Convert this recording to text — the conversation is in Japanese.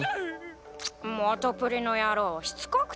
元プリの野郎しつこくてよ。